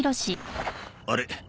あれ？